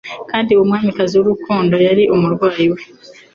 Kandi Umwamikazi w'urukundo yari umurwanyi we,